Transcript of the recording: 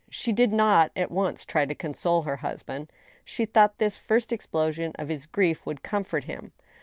She did not at once try to console her husband. She thought this first explosion of his grief would comfort him.